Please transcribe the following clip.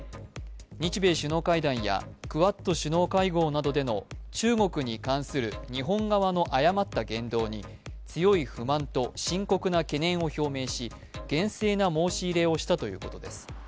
日米首脳会談やクアッド首脳会合などでの中国に関する誤った言動に強い不満を深刻な懸念を表明し、厳正な申し入れをしたということです。